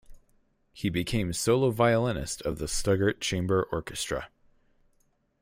He became solo violist of the Stuttgart Chamber Orchestra.